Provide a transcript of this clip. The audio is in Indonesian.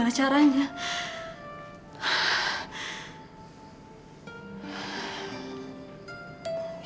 iya aku harus pergi ke jakarta